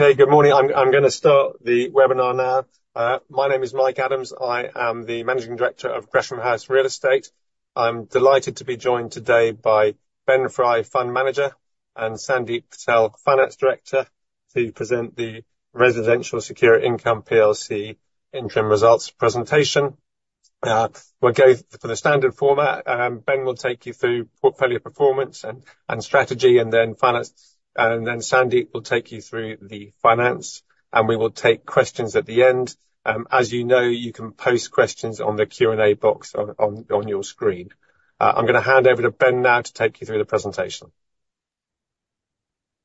Okay. Good morning. I'm going to start the webinar now. My name is Mike Adams. I am the Managing Director of Gresham House Real Estate. I'm delighted to be joined today by Ben Fry, Fund Manager and Sandeep Patel, Finance Director, to present the Residential Secure Income PLC interim results presentation. We'll go for the standard format. Ben will take you through portfolio performance and strategy and then finance and then Sandeep will take you through the finance and we will take questions at the end. As you know, you can post questions on the Q&A box on your screen. I'm going to hand over to Ben now to take you through the presentation.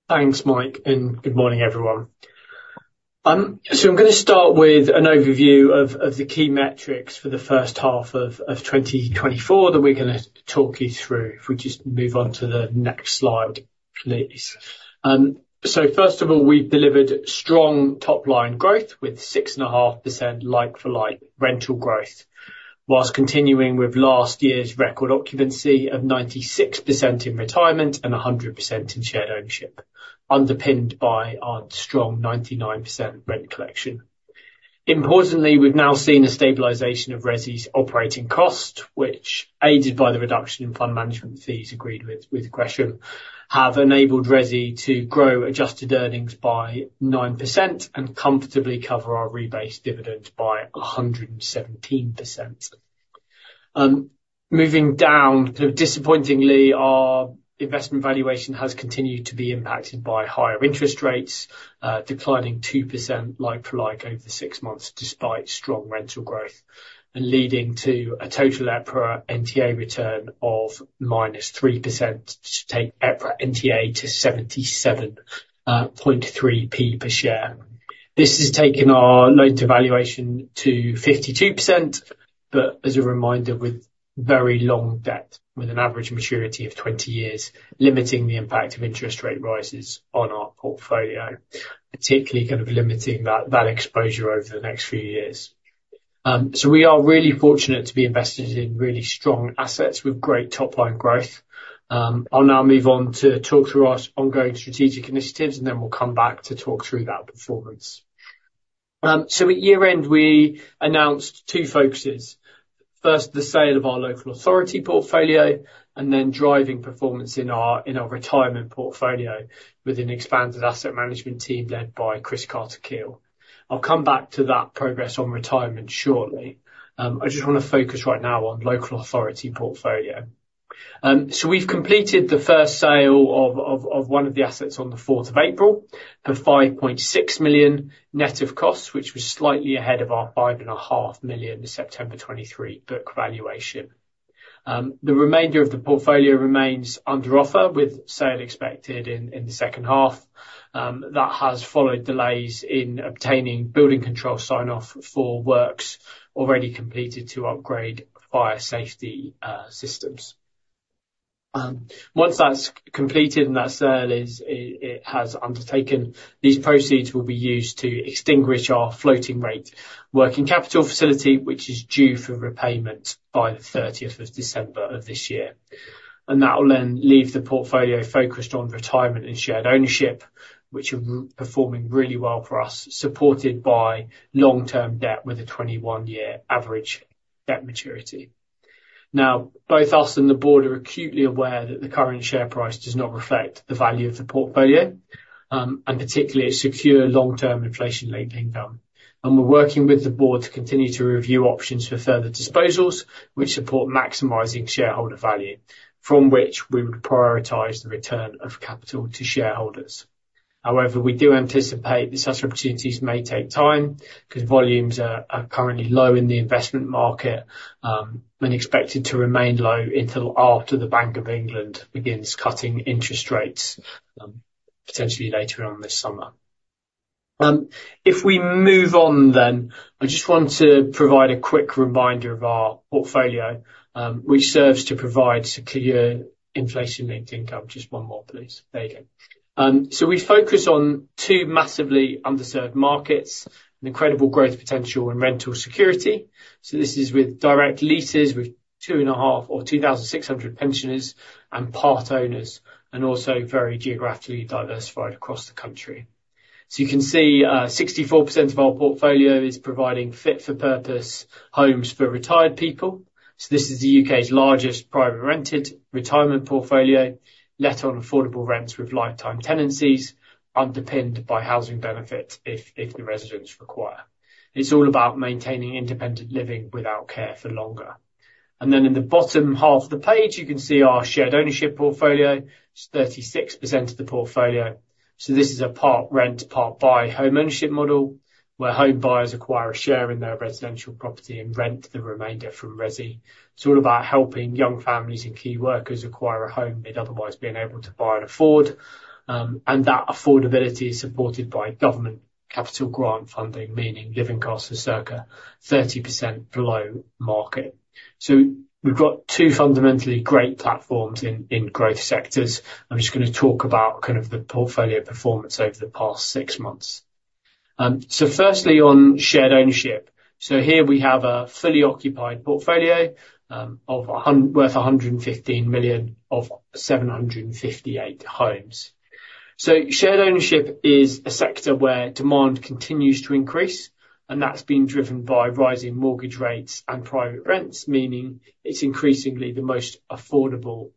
Thanks, Mike, and good morning, everyone. So I'm going to start with an overview of the key metrics for the first half of 2024 that we're going to talk you through if we just move on to the next slide, please. So, first of all, we've delivered strong top line growth with 6.5% like for like rental growth, whilst continuing with last year's record occupancy of 96% in retirement and 100% in shared ownership, underpinned by our strong 99% rent collection. Importantly, we've now seen a stabilization of RESI's operating cost which, aided by the reduction in fund management fees agreed with Gresham, have enabled RESI to grow adjusted earnings by 9% and comfortably cover our rebase dividend by 117%. Moving down. Disappointingly, our investment valuation has continued to be impacted by higher interest rates, declining 2% like for like over the six months, despite strong rental growth and leading to a total EPRA NTA return of -3% to take EPRA NTA to 77.3p per share. This has taken our loan to valuation to 52%. But as a reminder, with very long debt with an average maturity of 20 years, limiting the impact of interest rate rises on our portfolio, particularly kind of limiting that exposure over the next few years. So we are really fortunate to be invested in really strong assets with great top line growth. I'll now move on to talk through our ongoing strategic initiatives and then we'll come back to talk through that performance. So at year end we announced two focuses. First, the sale of our Local Authority portfolio and then driving performance in our Retirement portfolio with an expanded asset management team led by Chris Carter Keall. I'll come back to that progress on Retirement shortly. I just want to focus right now on Local Authority portfolio. So we've completed the first sale of one of the assets on 4 April for 5.6 million net of costs, which was slightly ahead of our 5.5 million September 2023 book valuation. The remainder of the portfolio remains under offer with sale expected in the second half. That has followed delays in obtaining building control, sign off for or works already completed to upgrade fire safety systems. Once that's completed and that sale has undertaken, these proceeds will be used to extinguish our floating rate working capital facility which is due for repayment by the 30th of December of this year. That will then leave the portfolio focused on retirement and shared ownership, which are performing really well for us, supported by long-term debt with a 21-year average debt maturity. Now, both us and the Board are acutely aware that the current share price does not reflect the value of the portfolio and particularly secure long-term inflation-linked income. We're working with the Board to continue to review options for further disposals which support maximizing shareholder value from which we would prioritise the return of capital to shareholders. However, we do anticipate that such opportunities may take time because volumes are currently low in the investment market and expected to remain low until after the Bank of England begins cutting interest rates, potentially later on this summer. If we move on then I just want to provide a quick reminder of our portfolio which serves to provide secure inflation linked income. Just one more, please. There you go. So we focus on two massively underserved markets, an incredible growth potential and rental security. So this is with direct leases with 2,500 or 2,600 pensioners and part owners, and also very geographically diversified across the country. So you can see 64% of our portfolio is providing fit for purpose homes for retired people. So this is the U.K.'s largest private rented retirement portfolio, let on affordable rents with lifetime tenancies underpinned by housing benefit if the residents require. It's all about maintaining independent living without care for longer. Then in the bottom half of the page you can see our shared ownership portfolio, 36% of the portfolio. So this is a part rent, part buy home ownership model where home buyers acquire a share in their residential property and rent the remainder from RESI. It's all about helping young families and key workers acquire a home they'd otherwise be unable to buy and afford. And that affordability is supported by government capital grant funding, meaning living costs are circa 30% below market. So we've got two fundamentally great platforms in growth sectors. I'm just going to talk about kind of the portfolio performance over the past six months. So firstly on shared ownership. So here we have a fully occupied portfolio worth 115 million of 758 homes. So shared ownership is a sector where demand continues to increase and that's been driven by rising mortgage rates and private rents, meaning it's increasingly the most affordable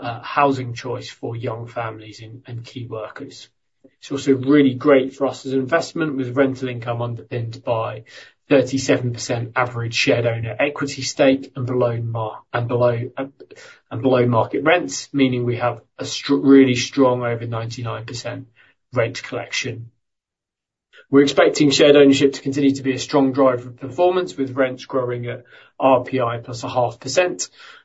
housing choice for young families and key workers. It's also really great for us as an investment. With rental income underpinned by 37% average shared owner equity stake and below market rents, meaning we have a really strong over 99% rent collection, we're expecting shared ownership to continue to be a strong driver of performance with rents growing at RPI + 0.5%.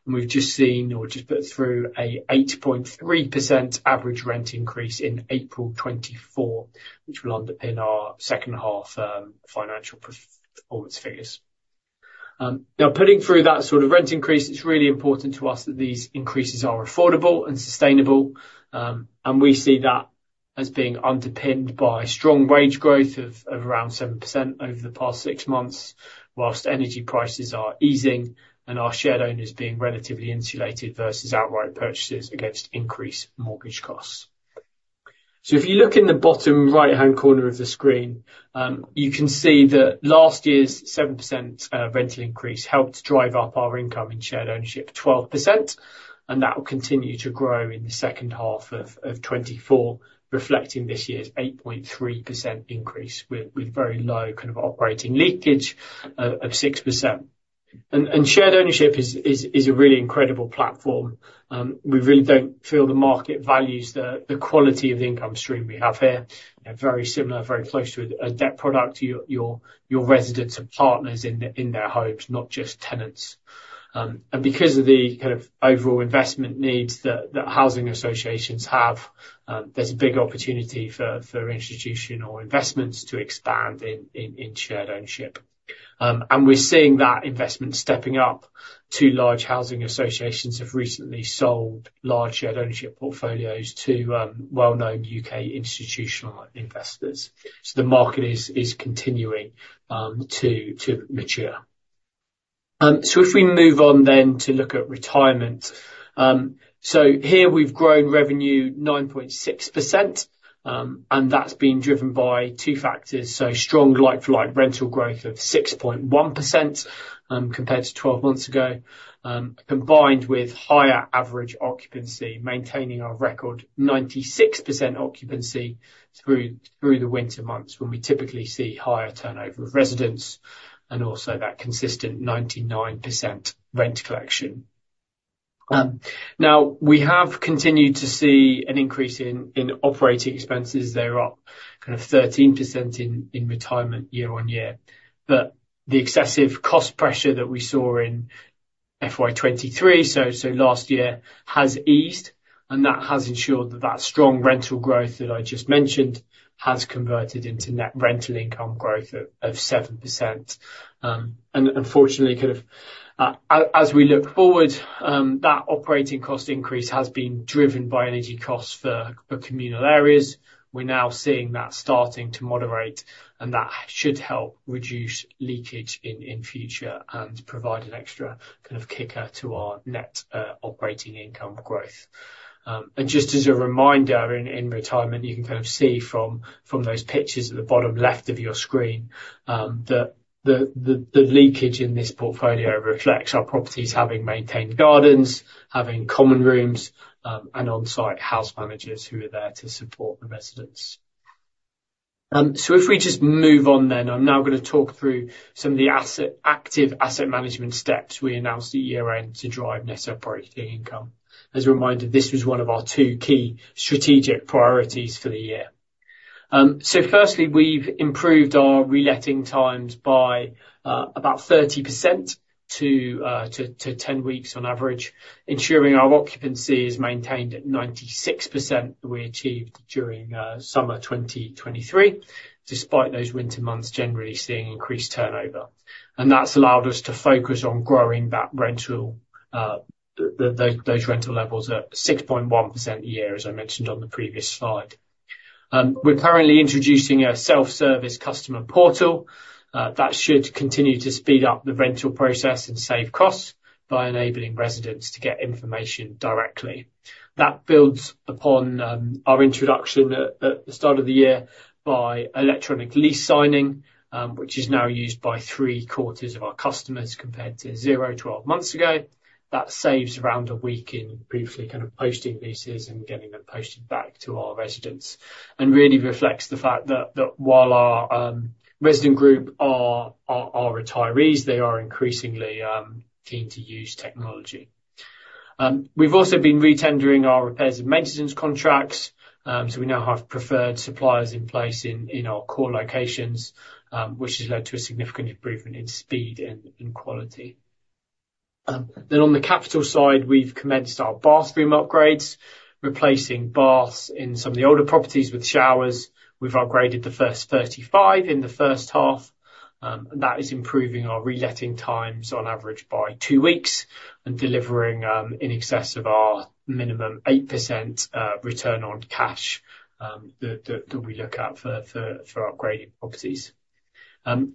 And we've just seen or just put through a 8.3% average rent increase in April 2024, which will underpin our second half financial performance figures, now putting through that sort of rent increase. It's really important to us that these increases are affordable and sustainable. We see that as being underpinned by strong wage growth of around 7% over the past six months, while energy prices are easing and our shared owners being relatively insulated versus outright purchases against increased mortgage costs. If you look in the bottom right hand corner of the screen, you can see that last year's 7% rental increase helped drive up our income in shared ownership 12%. And that will continue to grow in the second half of 2024, reflecting this year's 8.3% increase with very low kind of operating leakage of 6%. And shared ownership is a really incredible platform. We really don't feel the market values the quality of the income stream we have here very similar, very close to a debt product, your residents and partners in their homes, not just tenants. Because of the kind of overall investment needs that housing associations have, there's a big opportunity for institutional investments to expand in shared ownership. We're seeing that investment stepping up. Two large housing associations have recently sold large shared ownership portfolios to well-known U.K. institutional investors. The market is continuing to mature. If we move on then to look at retirement. Here we've grown revenue 9.6% and that's been driven by two factors so strong like-for-like rental growth of 6.1% compared to 12 months ago, combined with higher average occupancy, maintaining our record 96% occupancy through the winter months when we typically see higher turnover of residents, and also that consistent 99% occupancy rent collection. Now we have continued to see an increase in operating expenses. They're up kind of 13% in retirement year-on-year. But the excessive cost pressure that we saw in FY 23 so last year has eased and that has ensured that that strong rental growth that I just mentioned has converted into net rental income growth of 7%. And unfortunately as we look forward, operating cost increase has been driven by energy costs for communal areas. We're now seeing that starting to moderate and that should help reduce leakage in future and provide an extra kind of kicker to our net operating income growth. And just as a reminder in retirement, you can kind of see from those pictures at the bottom left of your screen, the leakage in this portfolio reflects our properties having maintained gardens, having common rooms and on site house managers who are there to support the residents. So if we just move on then I'm now going to talk through some of the active asset management steps we announced at year end to drive net operating income. As a reminder, this was one of our two key strategic priorities for the year. Firstly, we've improved our reletting times by about 30% to 10 weeks on average. Ensuring our occupancy is maintained at 96%, we achieved during summer 2023 despite those winter months generally seeing increased turnover. That's allowed us to focus on growing those rental levels at 6.1% a year. As I mentioned on the previous slide, we're currently introducing a self service customer portal that should continue to speed up the rental process and save costs by enabling residents to get information directly. That builds upon our introduction at the start of the year by electronic lease signing, which is now used by 3/4 of our customers compared to zero 12 months ago. That saves around a week in previously kind of posting leases and getting them posted back to our residents. And really reflects the fact that while our resident group are retirees, they are increasingly keen to use technology. We've also been re tendering our repairs and maintenance contracts, so we now have preferred suppliers in place in our core locations, which has led to a significant improvement in speed and quality. On the capital side, we've commenced our bathroom upgrades, replacing baths in some of the older properties with showers. We've upgraded the first 35 in the first half and that is improving our reletting times on average by two weeks and delivering in excess of our minimum 8% return on cash that we look at for upgrading properties.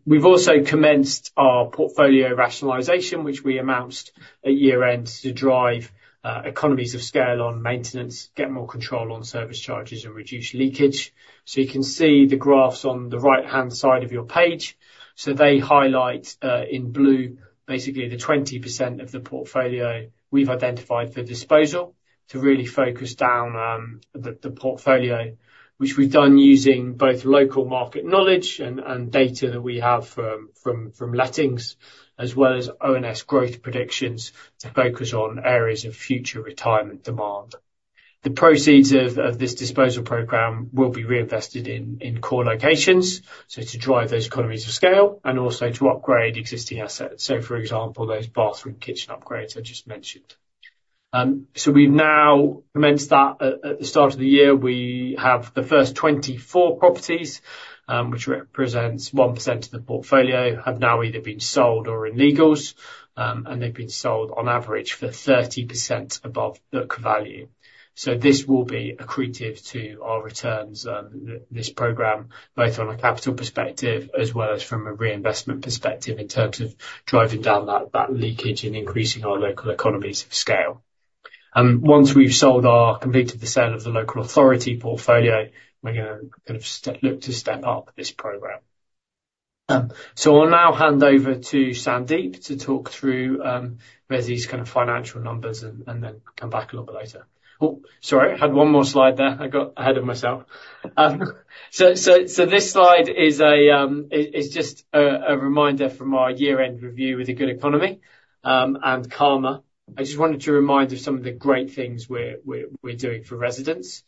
We've also commenced our portfolio rationalization which we announced at year-end to drive economies of scale on maintenance, get more control on service charges and reduce leakage. So you can see the graphs on the right-hand side of your page, so they highlight in blue basically the 20% of the portfolio we've identified for disposal to really focus down the portfolio, which we've done using both local market knowledge and data that we have from lettings as well as ONS growth predictions to focus on areas of future retirement demand. The proceeds of this disposal program will be reinvested in core locations. So to drive those economies of scale and also to upgrade existing assets. So for example those bathroom kitchen upgrades I just mentioned. So we've now commenced that at the start of the year. We have the first 24 properties which represents 1% of the portfolio have now either been sold or in legals and they've been sold on average for 30% above book value. So this will be accretive to our returns, this program, both on a capital perspective as well as from a reinvestment perspective in terms of driving down that leakage in increasing our local economies of scale. Once we've sold or completed the sale of the Local Authority portfolio, we're going to look to step up this program. So I'll now hand over to Sandeep to talk through RESI's kind of financial numbers and then come back a little bit later. Oh sorry, I had one more slide there. I got ahead of myself. So this slide is just a reminder from our year-end review with The Good Economy and karma. I just wanted to remind of some of the great things we're doing for residents.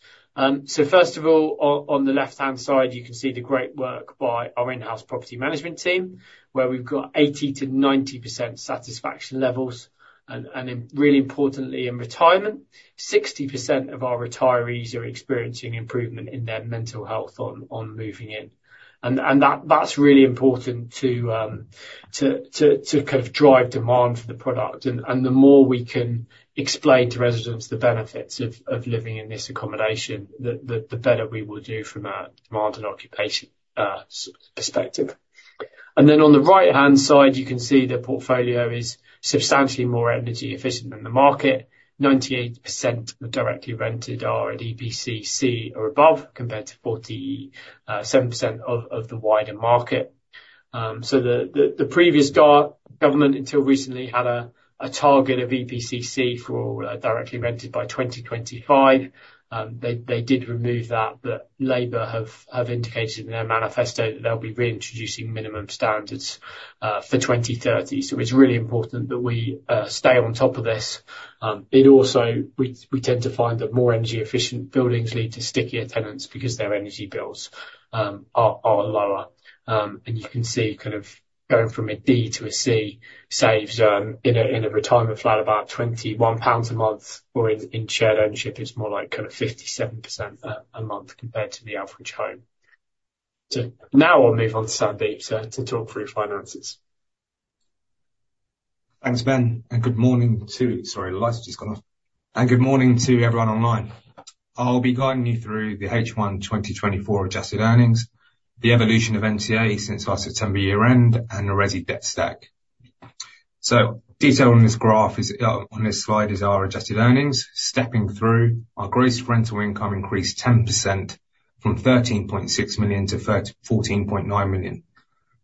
So first of all on the left-hand side you can see the great work by our in-house property management team where we've got 80% to 90% satisfaction levels and really importantly in retirement, 60% of our retirees are experiencing improvement in their mental health on moving in and that's really important to drive demand for the product. And the more we can explain to residents the benefits of living in this accommodation, the better we will do from a demand and occupation perspective. Then on the right-hand side you can see the portfolio is substantially more energy efficient than the market. 98% of directly rented are at EPC C or above, compared to 47% of the wider market. So the previous Tory government until recently had a target of EPC C for all directly rented by 2025. They did remove that, but Labour have indicated in their manifesto that they'll be reintroducing minimum standards for 2030. So it's really important that we stay on top of this. It also, we tend to find that more energy efficient buildings lead to stickier tenants because their energy bills are lower and you can see kind of going from a D to a C saves in a retirement flat about 21 pounds a month or in shared ownership it's more like kind of 57 pounds a month compared to the average home. Now I'll move on to Sandeep to talk through finances. Thanks, Ben, and good morning. Sorry, the lights just gone off, and good morning to everyone online. I'll be guiding you through the H1 2024 adjusted earnings, the evolution of NTA since our September year-end, and the RESI debt stack. So, detail on this graph is on this slide is our adjusted earnings, stepping through. Our gross rental income increased 10% from 13.6 million to 14.9 million.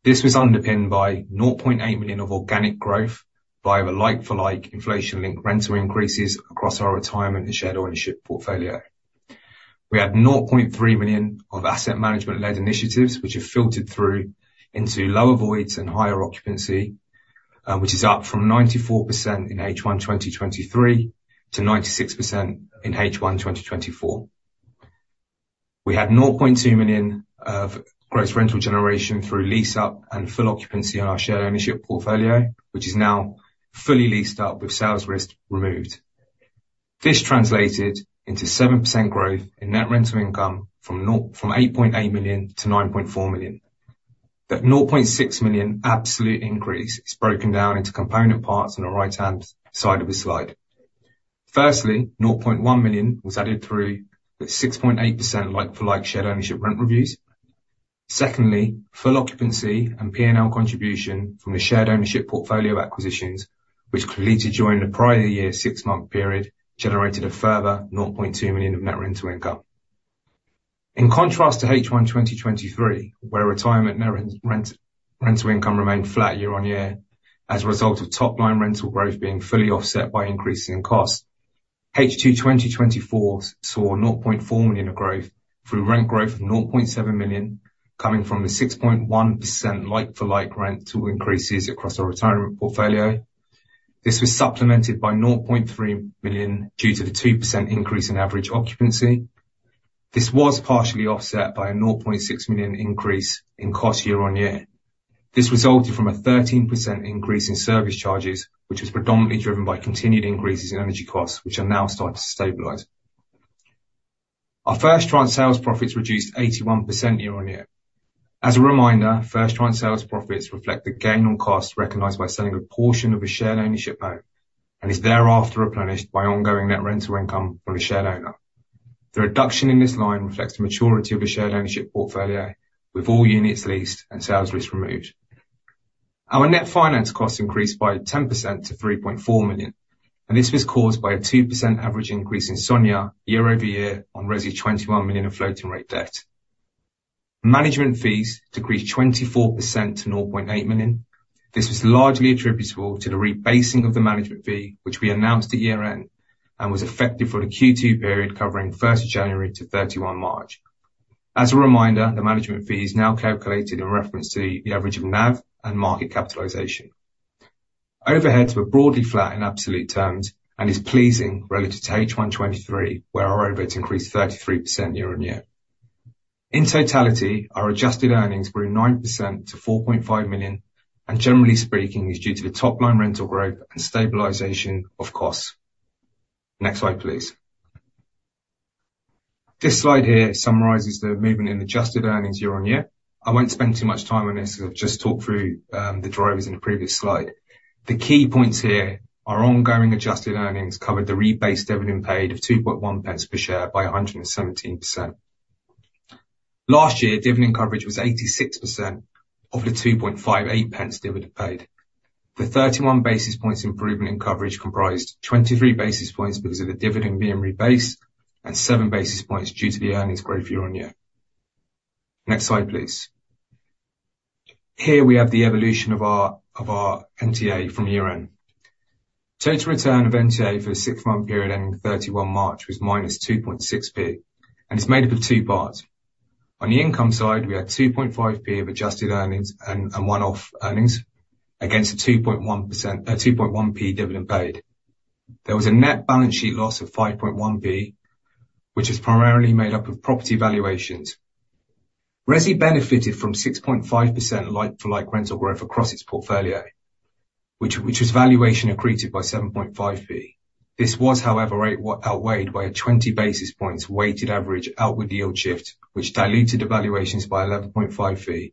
This was underpinned by 0.8 million of organic growth via a like-for-like inflation-linked rental increases across our retirement and shared ownership portfolio. We had 0.3 million of asset-management-led initiatives which have filtered through into lower voids and higher occupancy which is up from 94% in H1 2023 to 96% in H1 2024. We had 0.2 million of gross rental generation through lease up and full occupancy on our shared ownership portfolio which is now fully leased up with sales risk removed. This translated into 7% growth in net rental income from 8.8 million to 9.4 million. That 0.6 million absolute increase is broken down into component parts on the right-hand side of the slide. Firstly, 0.1 million was added through the 6.8% like-for-like shared ownership rent reviews. Secondly, full occupancy and P and L contribution from the shared ownership portfolio acquisitions which completed during the prior year six month period generated a further 0.2 million of net rental income. In contrast to H1 2023 where retirement rental income remained flat year-on-year as a result of top-line rental growth being fully offset by increases in cost. H2 2024 saw 0.4 million of growth through rent growth of 0.7 million coming from a 6.1% like-for-like rental increases across our retirement portfolio. This was supplemented by 0.3 million due to the 2% increase in average occupancy. This was partially offset by a 0.6 million increase in costs year-on-year. This resulted from a 13% increase in service charges which was predominantly driven by continued increases in energy costs which are now starting to stabilize. Our first-tranche sales profits reduced 81% year-on-year. As a reminder, first-tranche sales profits reflect the gain on costs recognized by selling a portion of a shared ownership home and is thereafter replenished by ongoing net rental income from the shared owner. The reduction in this line reflects the maturity of the shared ownership portfolio with all units leased and sales risk removed. Our net finance costs increased by 10% to 3.4 million and this was caused by a 2% average increase in SONIA year-over-year. On RESI's 21 million of floating rate debt management fees decreased 24% to 0.8 million. This was largely attributable to the rebasing of the management fee which we announced at year end and was effective for the Q2 period covering 1 January to 31 March. As a reminder, the management fee is now calculated in reference to the average of NAV and market capitalisation. Overheads were broadly flat in absolute terms and is pleasing relative to H1 2023 where our overheads increased 33% year-over-year. In totality our adjusted earnings grew 9% to 4.5 million and generally speaking is due to the top line rental growth and stabilization of costs. Next slide please. This slide here summarizes the movement in adjusted earnings year-over-year. I won't spend too much time on this as I've just talked through the drivers in the previous slide. The key points here. Our ongoing adjusted earnings covered the rebased dividend paid of 2.1 pence per share by 117% last year. Dividend coverage was 86% of the 2.58 pence dividend paid. The 31 basis points improvement in coverage comprised 23 basis points because of the dividend being rebased and 7 basis points due to the earnings growth year-over-year. Next slide please. Here we have the evolution of our NTA from year end. Total return of NTA for a six-month period ending 31 March was minus 2.6p and it's made up of two parts. On the income side we had 2.5p of adjusted earnings and one off earnings against 2.1p dividend paid. There was a net balance sheet loss of 5.1p which is primarily made up of property valuations. RESI benefited from 6.5% like for like rental growth across its portfolio which was valuation accretive by 7.5p. This was however outweighed by a 20 basis points weighted average outward yield shift which diluted the valuations by 11.5p,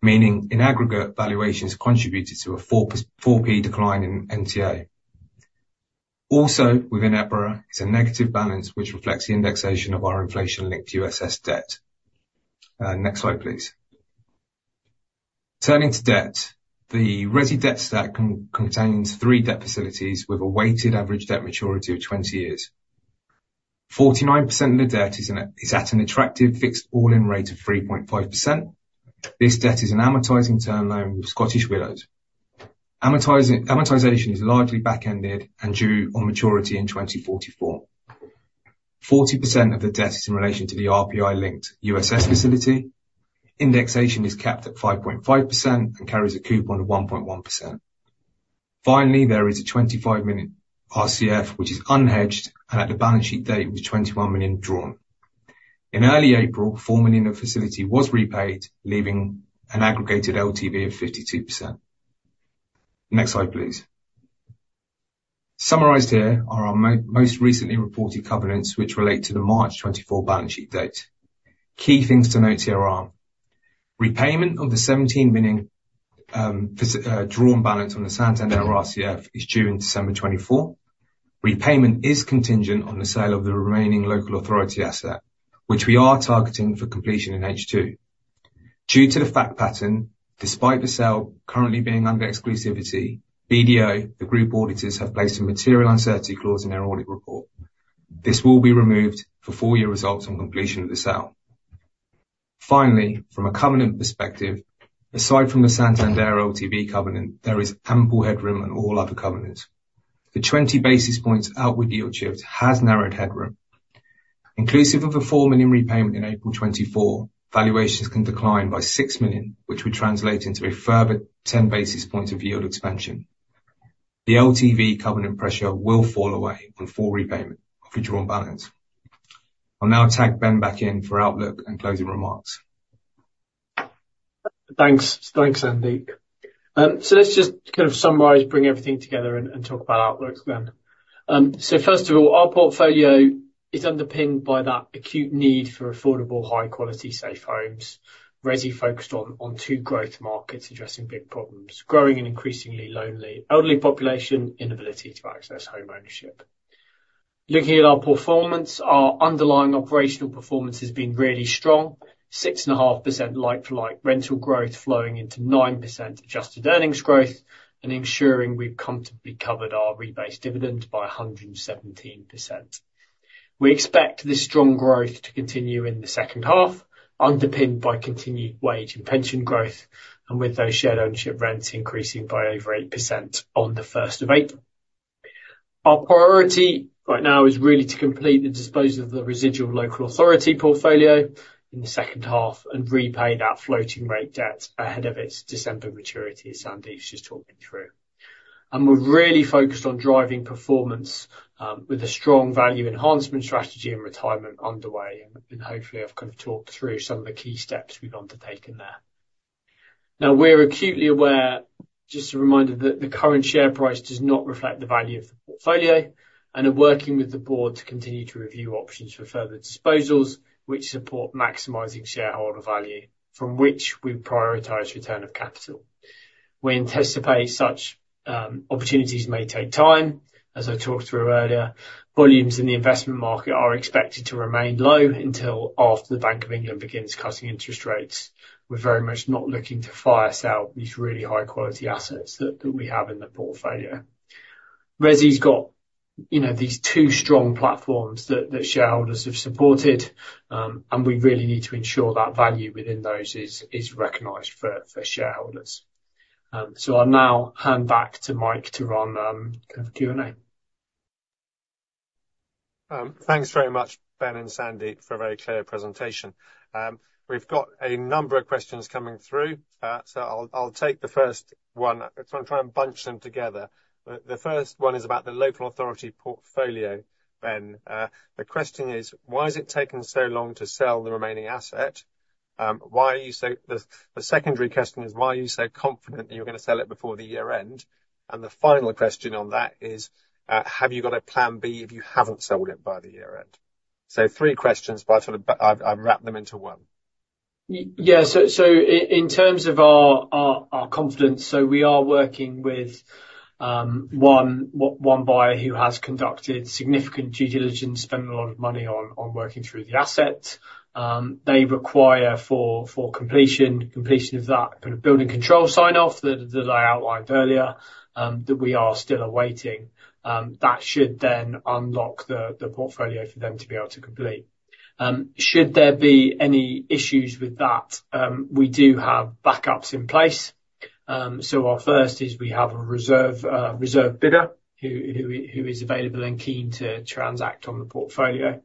meaning in aggregate valuations contributed to a 4p decline in NTA. Also within EPRA is a negative balance which reflects the indexation of our inflation linked USS debt. Next slide please. Turning to debt, the RESI debt stack contains 3 debt facilities with a weighted average debt maturity of 20 years. 49% of the debt is at an attractive fixed all in rate of 3.5%. This debt is an amortizing term loan with Scottish Widows. Amortization is largely back ended and due on maturity in 2044. 40% of the debt is in relation to the RPI linked USS facility. Indexation is capped at 5.5% and carries a coupon of 1.1%. Finally there is a 25 million RCF which is unhedged and at the balance sheet date was 21 million drawn. In early April, 4 million of facility was repaid leaving an aggregated LTV of 52%. Next slide please. Summarized here are our most recently reported covenants which relate to the March 2024 balance sheet date. Key things to note here are repayment of the 17 million drawn balance on the Santander RCF is due in December 2024. Repayment is contingent on the sale of the remaining Local Authority asset which we are targeting for completion in H2 due to the fact pattern. Despite the sale currently being under exclusivity, BDO the group auditors have placed a material uncertainty clause in their audit report. This will be removed for full year results on completion of the sale. Finally, from a Covenant perspective, aside from the Santander LTB covenant, there is ample headroom on all other covenants. The 20 basis points outward yield shift has narrowed headroom inclusive of a 4 million repayment in April 2024. Valuations can decline by 6 million which would translate into a further 10 basis point of yield expansion. The LTV covenant pressure will fall away on full repayment of the drawn balance. I'll now tag Ben back in for outlook and closing remarks. Thanks. Thanks Sandeep. So let's just kind of summarize, bring everything together and talk about outlooks then. So first of all our portfolio is underpinned by that acute need for affordable high quality safe homes. RESI focused on two growth markets addressing big problems growing an increasingly lonely elderly population, inability to access home ownership. Looking at our performance, our underlying operational performance has been really strong. 6.5% like for like rental growth, flowing into 9% adjusted earnings growth and ensuring we've comfortably covered our rebase dividend by 117%. We expect this strong growth to continue in the second half, underpinned by continued wage and pension growth and with those shared ownership rents increasing by over 8% on the 1st of April. Our priority right now is really to complete the disposal of the residual Local Authority portfolio in the second half and repay that floating rate debt ahead of its December maturity. As Sandeep's just talking through and we're really focused on driving performance with a strong value enhancement strategy and Retirement underway. And hopefully I've kind of talked through some of the key steps we've undertaken there. Now we're acutely aware, just a reminder, that the current share price does not reflect the value of the portfolio and are working with the board to continue to review options for further disposals which support maximizing shareholder value from which we prioritise return of capital. We anticipate such opportunities may take time. As I talked through earlier, volumes in the investment market are expected to remain low until after the Bank of England begins cutting interest rates. We're very much not looking to fire sell these really high quality assets that we have in the portfolio. Resi's got these two strong platforms that shareholders have supported and we really need to ensure that value within those is recognized for shareholders. So I'll now hand back to Mike to run Q and A. Thanks very much Ben and Sandy for a very clear presentation. We've got a number of questions coming through so I'll take the first one. I'll try and bunch them together. The first one is about the Local Authority portfolio, Ben. The question is why has it taken so long to sell the remaining asset? The secondary question is why are you so confident that you're going to sell it before the year end? And the final question on that is, have you got a plan B if you haven't sold it by the year end? So three questions, but I've wrapped them into one. Yeah. So in terms of our confidence. So we are working with one buyer who has conducted significant due diligence, spending a lot of money on working through the asset they require for completion. Completion of that building control sign off that I outlined earlier that we are still awaiting. That should then unlock the portfolio for them to be able to complete. Should there be any issues with that. We do have backups in place. So our first is we have a reserve bidder who is available and keen to transact on the portfolio.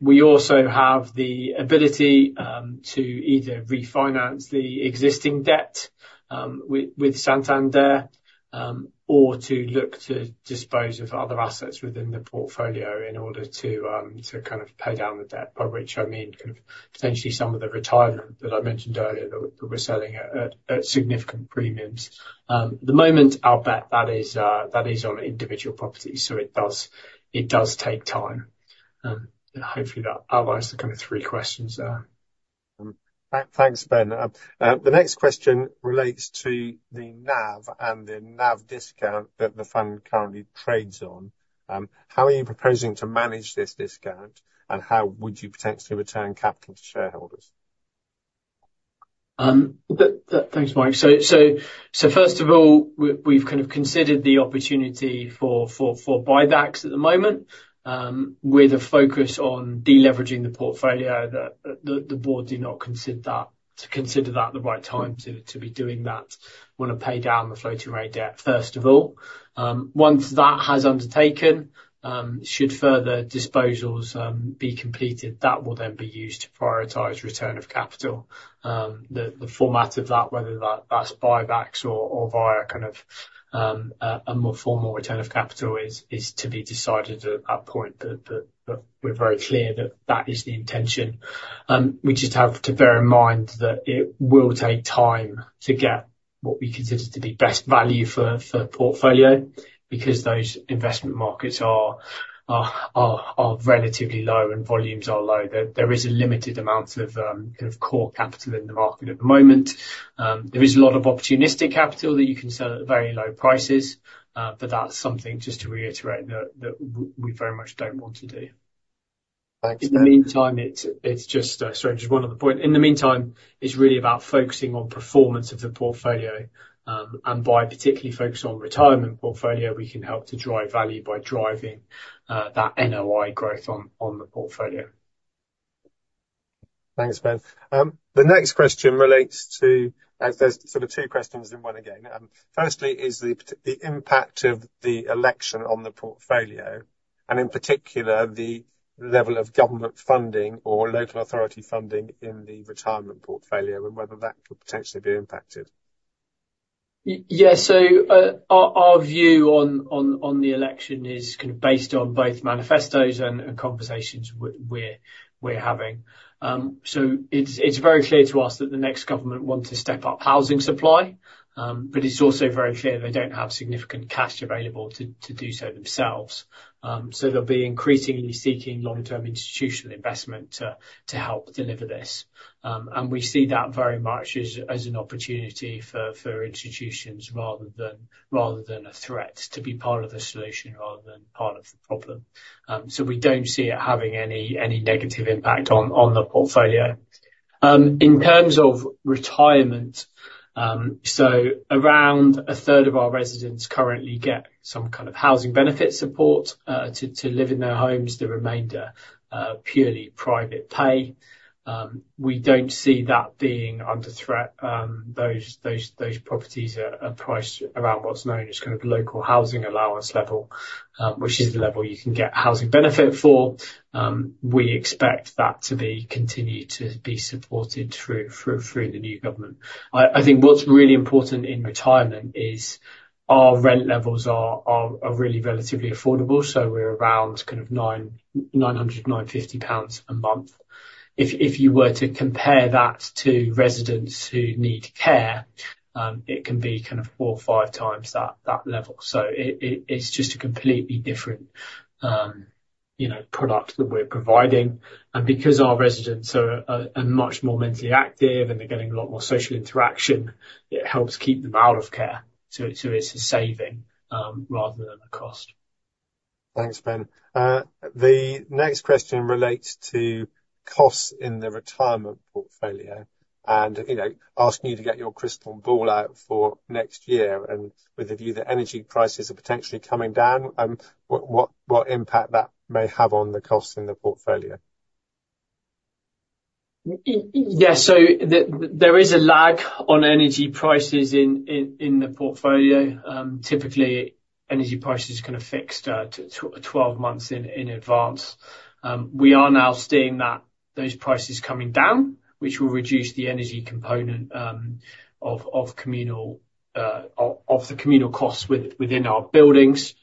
We also have the ability to either refinance the existing debt with Santander or to look to dispose of other assets within the portfolio in order to kind of pay down the debt. By which I mean potentially some of the retirement that I mentioned earlier that we're selling at significant premiums at the moment. I'll bet that is on individual properties. So it does take time. Hopefully that outlines the kind of three questions. Thanks, Ben. The next question relates to the NAV and the NAV discount that the fund currently trades on. How are you proposing to manage this discount and how would you potentially return capital to shareholders? Thanks, Mike. So first of all we've kind of considered the opportunity for buybacks at the moment with a focus on deleveraging the portfolio that the board do not consider that to consider that the right time to be doing that want to pay down the floating rate debt. First of all, once that has undertaken, should further disposals be completed that will then be used to prioritise return of capital. The format of that, whether that's buybacks or via kind of a more formal return of capital, is to be decided at that point. But we're very clear that that is the intention. We just have to bear in mind that it will take time to get what we consider to be best value for portfolio because those investment markets are relatively low and volumes are low. There is a limited amount of core capital in the market happening at the moment. There is a lot of opportunistic capital that you can sell at very low prices. But that's something just to reiterate that we very much don't want to do in the meantime. It's just strange. One of the points in the meantime, it's really about focusing on performance of the portfolio, and by particularly focusing on the retirement portfolio, we can help to drive value by driving that NOI growth on the portfolio. Thanks, Ben. The next question relates to. There's sort of two questions in one. Again, firstly, is the impact of the election on the portfolio and, in particular, the level of government funding or Local Authority funding in the Retirement portfolio and whether that could potentially be impacted. Yes. So our view on the election is kind of based on both manifestos and conversations that we're having. So it's very clear to us that the next government want to step up housing supply, but it's also very clear they don't have significant cash available to do so themselves. So they'll be increasingly seeking long-term institutional investment to help deliver this. And we see that very much as an opportunity for institutions rather than a threat to be part of the solution rather than than part of the problem. So we don't see it having any negative impact on the portfolio in terms of retirement. So around a third of our residents currently get some kind of housing benefit support to live in their homes. The remainder purely private pay. We don't see that being under threat. Those properties are priced around what's known as kind of local housing allowance levels, which is the level you can get housing benefit for. We expect that to be continued to be supported through the new government. I think what's really important in retirement is our rent levels are really relatively affordable. So we're around kind of 900-950 pounds a month. If you were to compare that to residents who need care, it can be kind of 4 or 5 times that level. So it's just a completely different product that we're providing. And because our residents are much more mentally active and they're getting a lot more social interaction, it helps keep them out of care. So it's a saving rather than a cost. Thanks, Ben. The next question relates to costs in the retirement portfolio and, you know, asking you to get your crystal ball out for next year. And with the view that energy prices are potentially coming down, what impact that may have on the costs in the portfolio? Yes, so there is a lag on energy prices in the portfolio. Typically energy prices kind of fixed 12 months in advance. We are now seeing those prices coming down, which will reduce the energy component of the communal costs within our buildings.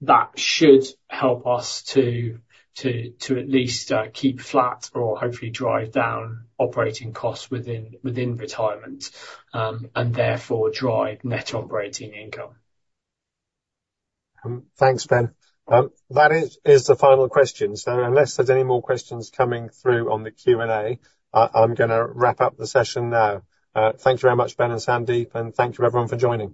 That should help us to at least keep flat or hopefully drive down operating costs within retirement and therefore drive net operating income. Thanks, Ben. That is the final question. So unless there's any more questions coming through on the Q and A, I'm going to wrap up the session now. Thank you very much, Ben and Sandeep, and thank you everyone for joining.